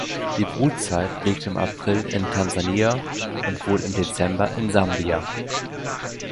Die Brutzeit liegt im April in Tansania und wohl im Dezember in Sambia.